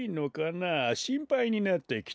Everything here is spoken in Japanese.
しんぱいになってきたよ。